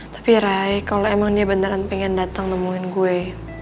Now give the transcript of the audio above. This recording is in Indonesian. tapi rai kalau emang dia beneran pengen datang nemuin gue